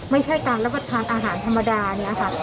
ไม่ใช่การระวัตภัณฑ์อาหารธรรมดาเนี่ยค่ะ